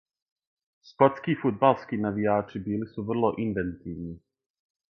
Шкотски фудбалски навијачи били су врло инвентивни.